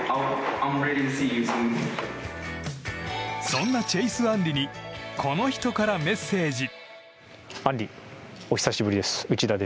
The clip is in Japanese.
そんなチェイス・アンリにこの人からメッセージ。